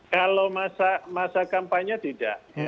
kalau masa kampanye tidak